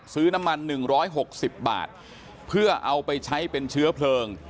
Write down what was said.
ซื้อน้ำมันหนึ่งร้อยหกสิบบาทเพื่อเอาไปใช้เป็นเชื้อเพลิง